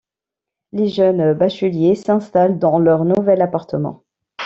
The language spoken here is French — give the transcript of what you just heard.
Les jeunes bacheliers s’installent dans leur nouvel appartement.